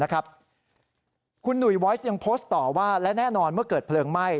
คุณหนุ่ยวอยสยังโพสต์ต่อว่าและแน่นอนเมื่อเกิดเพลิงไหม้